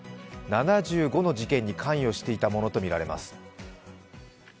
７５の事件に関与していたものとみられます。